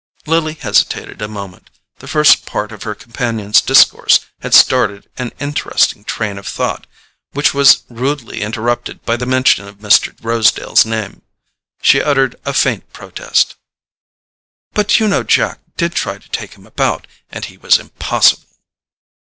Lily hesitated a moment. The first part of her companion's discourse had started an interesting train of thought, which was rudely interrupted by the mention of Mr. Rosedale's name. She uttered a faint protest. "But you know Jack did try to take him about, and he was impossible."